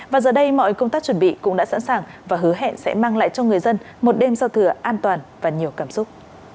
và giờ đây mọi công tác chuẩn bị cũng đã sẵn sàng và hứa hẹn sẽ mang lại cho người dân một đêm giao thừa an toàn và nhiều cảm xúc